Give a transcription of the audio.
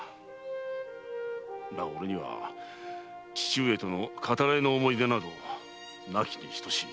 だが俺には父上との語らいの思い出などなきに等しい。